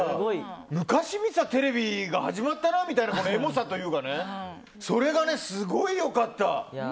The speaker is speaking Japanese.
昔見てたテレビが始まったなみたいなエモさというかそれがすごい良かった。